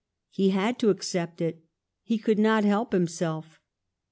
He had to accept it; he could not help himself.